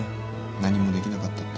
何もできなかったって。